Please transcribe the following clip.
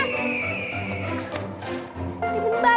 timun dewi timun panca